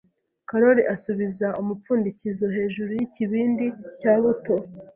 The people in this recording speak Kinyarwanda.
Karoli asubiza umupfundikizo hejuru yikibindi cya buto.